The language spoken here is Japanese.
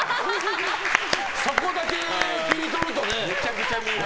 そこだけ切り取るとね。